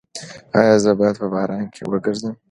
ایا زه باید په باران کې وګرځم؟